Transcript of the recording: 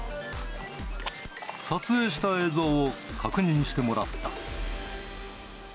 撮影した映像を確認してもらった。